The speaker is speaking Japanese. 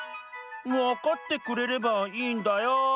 わかってくれればいいんだよ。